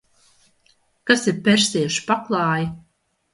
Kas ir persiešu paklāji?